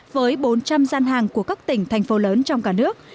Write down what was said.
với bốn trăm linh gian hàng của các tỉnh thành phố lớn trong cả nước